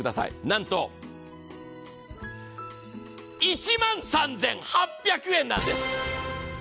なんと１万３８００円なんです。